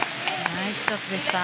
ナイスショットでした。